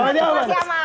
masih aman pak